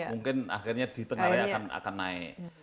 mungkin akhirnya di tengah raya akan naik